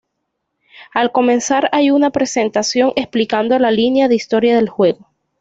Al comenzar hay una presentación explicando la línea de historia del juego.